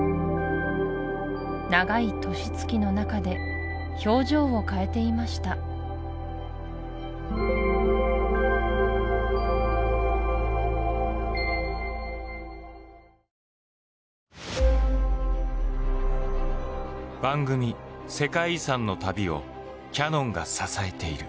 長い年月の中で表情を変えていました番組「世界遺産」の旅をキヤノンが支えている。